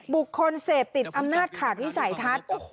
บุคคลเสพติดอำนาจขาดวิสัยทัศน์